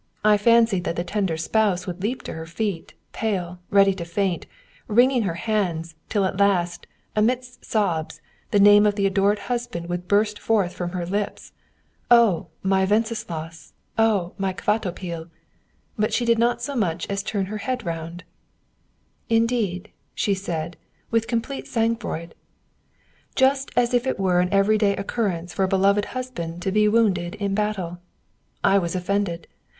I fancied that the tender spouse would leap to her feet, pale, ready to faint, wringing her hands, till at last, amidst sobs, the name of the adored husband would burst forth from her lips: "Oh! my Wenceslaus! Oh! my Kvatopil!" But she did not so much as turn her head round.) "Indeed?" she said, with complete sangfroid. Just as if it were an every day occurrence for a beloved husband to be wounded in battle. I was offended.